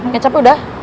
ya capek udah